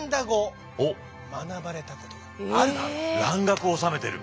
蘭学を修めてる！